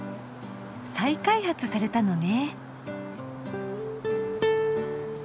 再開発されたのね。